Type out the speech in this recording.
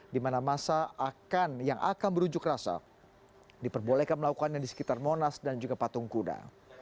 di mana masa yang akan berunjuk rasa diperbolehkan melakukannya di sekitar monas dan juga patung kuda